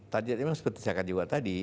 target memang seperti saya cakap juga tadi